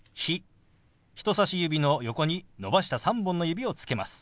人さし指の横に伸ばした３本の指をつけます。